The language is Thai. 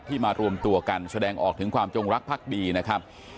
มารวมตัวกันแสดงออกถึงความจงรักภักดีนะครับ